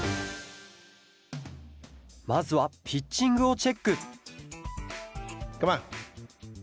まずはピッチングをチェックカモン！